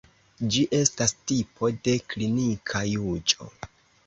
Ĝi estas tipo de klinika juĝo.